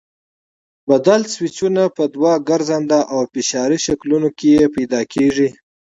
بدل سویچونه په دوو ګرځنده او فشاري شکلونو کې پیدا کېږي.